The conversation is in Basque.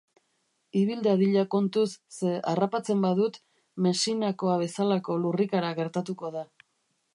Ibil dadila kontuz, ze harrapatzen badut, Messinakoa bezalako lurrikara gertatuko da.